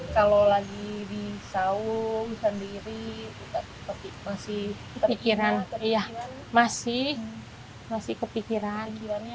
kalau lagi di saung sendiri masih kepikiran masih kepikiran